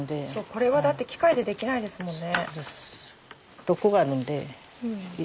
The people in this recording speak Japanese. これはだって機械でできないですもんね。